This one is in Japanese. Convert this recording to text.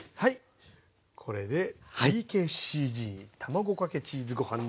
これでＴＫＣＧ卵かけチーズご飯できました。